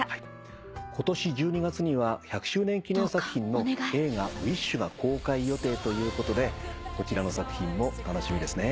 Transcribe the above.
今年１２月には１００周年記念作品の映画『ウィッシュ』が公開予定ということでこちらの作品も楽しみですね。